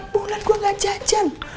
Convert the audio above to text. empat bulan gue gak jajan